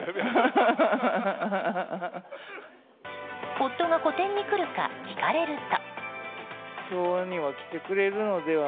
夫が個展に来るか聞かれると。